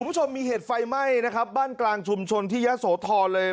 คุณผู้ชมมีเหตุไฟไหม้นะครับบ้านกลางชุมชนที่ยะโสธรเลย